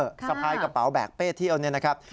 สะพายกระเป๋าแบกเป้เที่ยวเนี่ยนะครับ